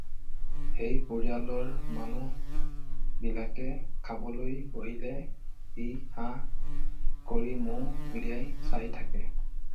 সেই পৰিয়ালৰ মানুহ বিলাকে খাবলৈ বহিলে সি সাহ কৰি মুখ উলিয়াই চাই থাকে